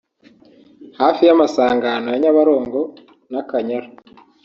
hafi y’amasangano ya Nyabarongo n’akanyaru